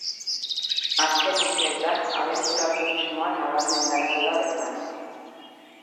Azken urteetan abentura turismoa nabarmen garatu da bertan.